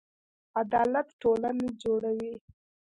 عدالت ټولنه جوړوي